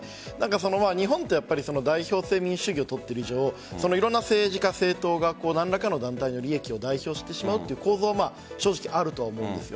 日本って代表制民主主義をとっている以上いろんな政治家、政党が何らかの団体の利益を代表してしまうという構造正直あると思うんです。